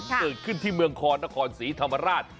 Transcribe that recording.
เกิดขึ้นที่เมืองคอนครศรีธรรมราช